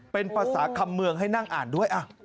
เป็นภาษาคำเมืองให้นั่งอ่านด้วย